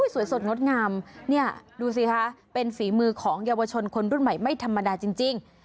สวยสดงดงามเนี่ยดูสิคะเป็นฝีมือของเยาวชนคนรุ่นใหม่ไม่ธรรมดาจริง